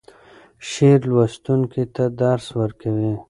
شعر لوستونکی ته درس ورکوي.